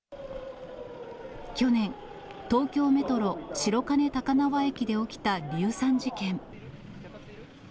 去年、東京メトロ白金高輪駅で起きた硫酸事件。